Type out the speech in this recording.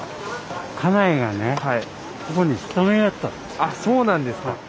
あっそうなんですか。